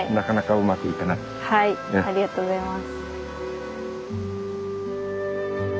ありがとうございます。